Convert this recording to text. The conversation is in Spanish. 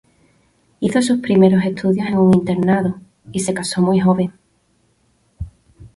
Hizo sus primeros estudios en un internado; y se casó muy joven.